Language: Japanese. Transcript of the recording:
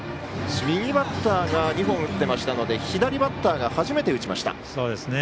右バッターが２本打ってましたので左バッターが初めて打ちました。